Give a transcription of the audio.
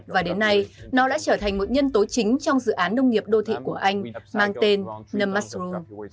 và đến nay nó đã trở thành một nhân tố chính trong dự án nông nghiệp đô thị của anh mang tên nấm musro